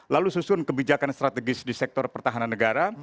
lalu susun kebijakan strategis di sektor pertahanan negara